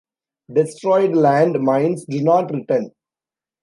Destroyed land mines do not return.